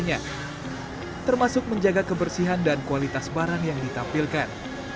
bagaimana cara menjaga kebersihan dan kualitas barang yang ditampilkan